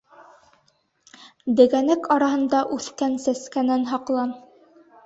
Дегәнәк араһында үҫкән сәскәнән һаҡлан.